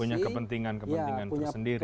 punya kepentingan kepentingan tersendiri